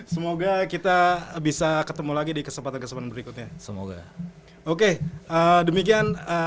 semoga kita bisa ketemu lagi di kesempatan kesempatan berikutnya semoga oke demikian